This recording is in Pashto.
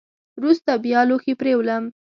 وروسته بیا لوښي پرېولم .